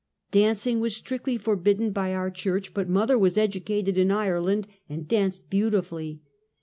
Dancing was strictly forbidden by our church, but mother was educated in Ireland and danced beauti fully.